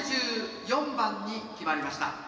６４番に決まりました。